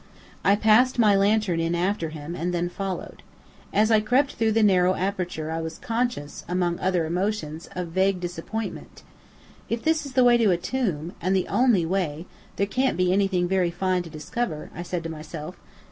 I passed my lantern in after him, and then followed. As I crept through the narrow aperture I was conscious, among other emotions, of vague disappointment. "If this is the way to a tomb, and the only way, there can't be anything very fine to discover," I said to myself.